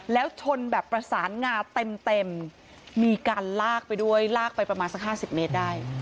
แล้วชนแบบประสานงาเต็มมีการลากไปด้วยลากไปประมาณสัก๕๐เมตรได้